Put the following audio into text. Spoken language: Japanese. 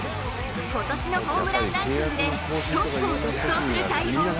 今年のホームランランキングでトップを独走する大砲